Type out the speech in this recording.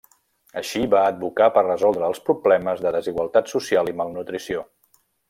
Així, va advocar per resoldre els problemes de desigualtat social i malnutrició.